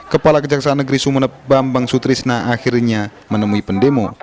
kepala kejaksaan negeri sumeneb bambang sutrisna akhirnya menemui pendemo